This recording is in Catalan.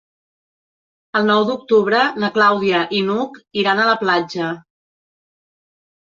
El nou d'octubre na Clàudia i n'Hug iran a la platja.